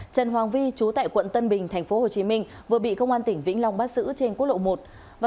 trần hoàng vi chú tại quận tân bình tp hcm vừa bị công an tỉnh vĩnh long bắt giữ trên quốc lộ một